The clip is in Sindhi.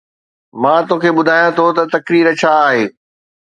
مان توکي ٻڌايان ٿو ته تقدير ڇا آهي